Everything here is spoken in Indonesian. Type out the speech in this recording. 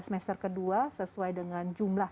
semester ke dua sesuai dengan jumlah